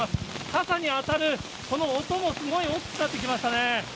傘に当たる、この音もすごい大きくなってきましたね。